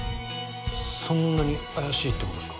そんなに怪しいってことっすか？